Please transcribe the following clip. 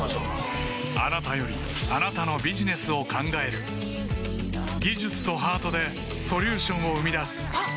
あなたよりあなたのビジネスを考える技術とハートでソリューションを生み出すあっ！